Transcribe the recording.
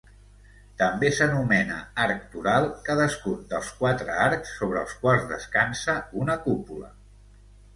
També s'anomena arc toral cadascun dels quatre arcs sobre els quals descansa una cúpula.